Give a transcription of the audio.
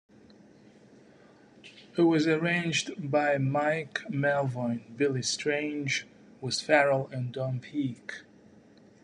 It was arranged by Mike Melvoin, Billy Strange, Wes Farrell, and Don Peake.